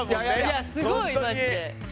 いやすごいマジで。